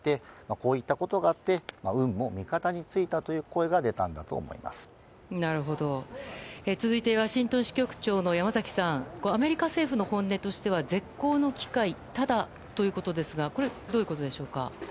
こういったことがあって運も味方に付いたという声が続いて、ワシントン支局長の山崎さんアメリカ政府の本音としては絶好の機会、ただということですがこれ、どういうことでしょうか。